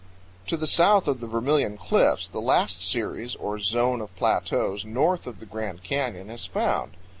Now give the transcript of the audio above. To the south of the Vermilion Cliffs the last series or zone of plateaus north of the Grand Canyon is found.